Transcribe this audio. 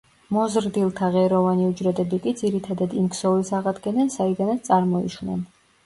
მოზრდილთა ღეროვანი უჯრედები კი ძირითადად იმ ქსოვილს აღადგენენ, საიდანაც წარმოიშვნენ.